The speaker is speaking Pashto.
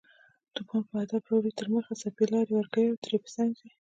توپان په ادب اړوي تر مخه، څپې لار ورکوي او ترې په څنګ ځي